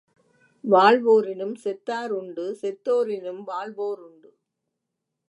வாழ்வோரினும் செத்தார் உண்டு செத்தோரினும் வாழ்வோர் உண்டு.